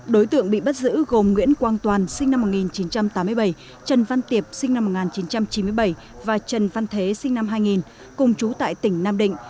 đối tượng bị bắt giữ gồm nguyễn quang toàn sinh năm một nghìn chín trăm tám mươi bảy trần văn tiệp sinh năm một nghìn chín trăm chín mươi bảy và trần văn thế sinh năm hai nghìn cùng chú tại tỉnh nam định